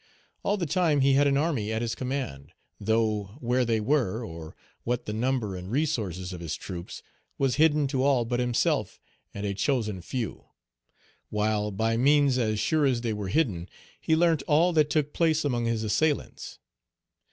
All the time he had an army at his command, though where they were, or what the number and resources of his troops, was hidden to all but himself and a chosen few; while, by means as sure as they were hidden, he learnt all that took place among his assailants.